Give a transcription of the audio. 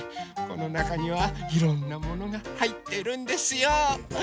このなかにはいろんなものがはいってるんですよ。